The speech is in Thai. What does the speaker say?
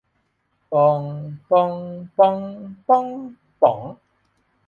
ปอง ป่อง ป้อง บ๊อง ป๋อง